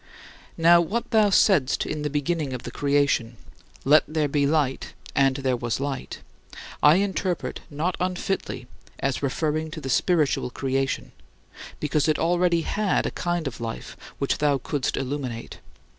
Now what thou saidst in the beginning of the creation "Let there be light: and there was light" I interpret, not unfitly, as referring to the spiritual creation, because it already had a kind of life which thou couldst illuminate.